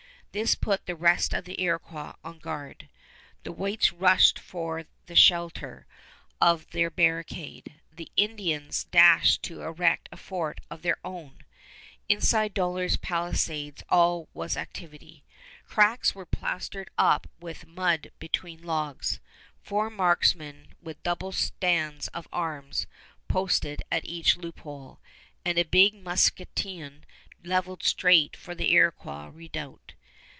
This put the rest of the Iroquois on guard. The whites rushed for the shelter of their barricade. The Indians dashed to erect a fort of their own. Inside Dollard's palisades all was activity. Cracks were plastered up with mud between logs, four marksmen with double stands of arms posted at each loophole, and a big musketoon leveled straight for the Iroquois redoubt.